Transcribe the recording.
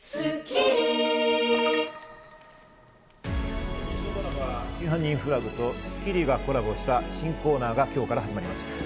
日曜ドラマ『真犯人フラグ』と『スッキリ』がコラボした新コーナーが今日から始まります。